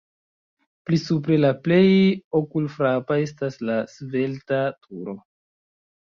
Pli supre la plej okulfrapa estas la svelta turo.